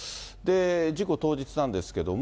事故当日なんですけども。